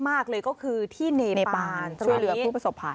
สนุนโดยอีซุสุข